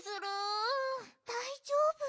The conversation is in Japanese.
だいじょうぶ？